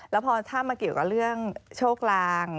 แล้วพอถ้ามาเกี่ยวกับเรื่องโชคลาง